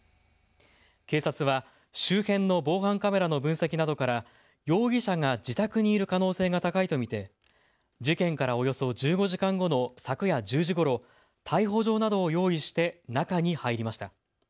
警察は周辺の防犯カメラの分析などから容疑者が自宅にいる可能性が高いと見て事件からおよそ１５時間後の昨夜１０時ごろ逮捕状などを用意して中に入りました。